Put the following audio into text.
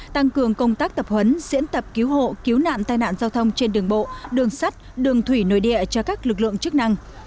tăng cường công tác tập huấn diễn tập cứu hộ cứu nạn tai nạn giao thông trên đường bộ đường sắt đường thủy nội địa cho các lực lượng chức năng